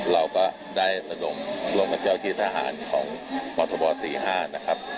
เราก็ได้สะดมโรงตรายเจ้าทีทหารของโมทบ๔๕นะครับ